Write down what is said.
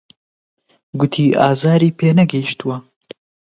گوتی ئازاری پێ نەگەیشتووە.